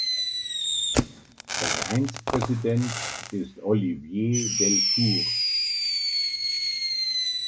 Vereinspräsident ist Olivier Delcourt.